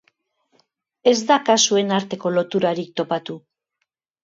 Ez da kasuen arteko loturarik topatu.